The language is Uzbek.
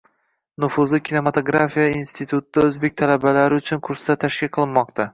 Nufuzli kinematografiya institutida o‘zbek talabalari uchun kurslar tashkil qilinmoqda